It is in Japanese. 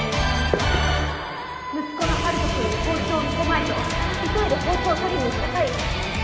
息子の陽斗くんに包丁を見せまいと急いで包丁を取りに行った際。